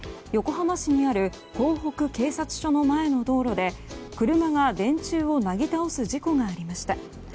横浜市にある港北警察署の前の道路で車が電柱をなぎ倒す事故がありました。